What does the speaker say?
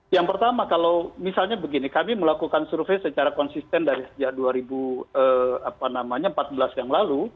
yang pertama kalau misalnya begini kami melakukan survei secara konsisten dari sejak dua ribu empat belas yang lalu